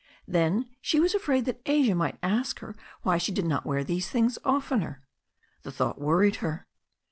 Then she was afraid that Asia might ask her why she did not wear these things oftener. The thought worried her.